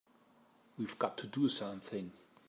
We've got to do something!